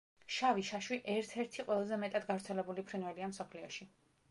შავი შაშვი ერთ-ერთი ყველაზე მეტად გავრცელებული ფრინველია მსოფლიოში.